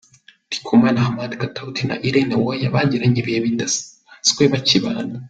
Ndikumana Hamad Katauti na Irene Uwoya bagiranye ibihe bidasanzwe bakibana.